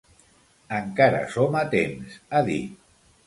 Encara som a temps, ha dit.